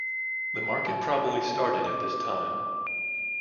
The Market probably started at this time.